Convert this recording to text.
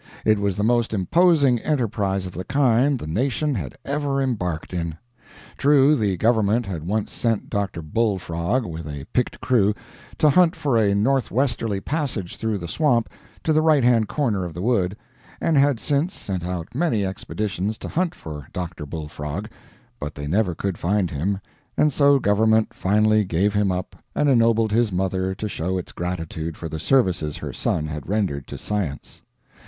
It was the most imposing enterprise of the kind the nation had ever embarked in. True, the government had once sent Dr. Bull Frog, with a picked crew, to hunt for a northwesterly passage through the swamp to the right hand corner of the wood, and had since sent out many expeditions to hunt for Dr. Bull Frog; but they never could find him, and so government finally gave him up and ennobled his mother to show its gratitude for the services her son had rendered to science.